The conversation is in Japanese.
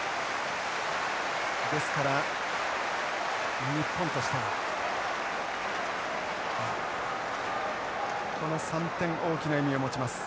ですから日本としてはこの３点大きな意味を持ちます。